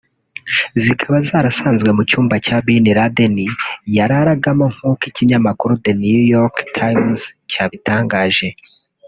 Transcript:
zikaba zarasanzwe mu cyumba Ben Laden yararagamo nk’uko ikinyamakuru The New York Times cyabitangaje